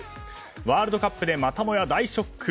ワールドカップでまたもや大ショック！